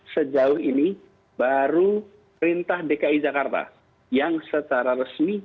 sejauh ini baru perintah dki jakarta yang secara resmi